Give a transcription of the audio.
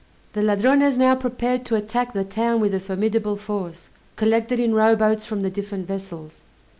The Ladrones now prepared to attack the town with a formidable force, collected in rowboats from the different vessels.